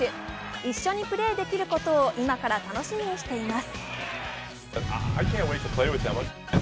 一緒にプレーできることを今から楽しみにしています。